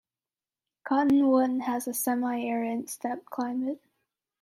Cottonwood has a semi-arid steppe climate.